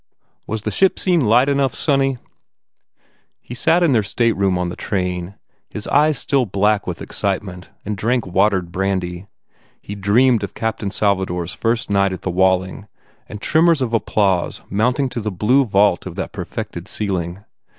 Was the ship scene light enough, sonny ?" He sat in their stateroom on the train, his eyes still black with excitement and drank watered brandy. He dreamed of "Captain Salvador s" first night at the Walling and tremors of applause mounting to the, blue vault of that perfected ceiling.